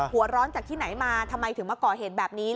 หัวร้อนจากที่ไหนมาทำไมถึงมาก่อเหตุแบบนี้